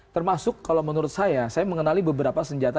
termasuk kalau menurut saya saya mengenali beberapa senjata